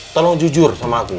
tolong jujur sama aku